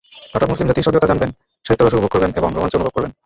পাঠক মুসলিম জাতির স্বকীয়তা জানবেন, সাহিত্যরস উপভোগ করবেন এবং রোমাঞ্চ অনুভব করবেন।